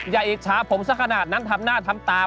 อิจฉาผมสักขนาดนั้นทำหน้าทำตา